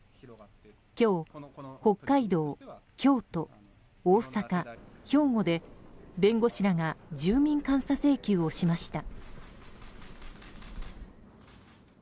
今日、北海道、京都大阪、兵庫で弁護士らが住民監査請求をしました。